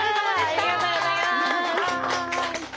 ありがとうございます。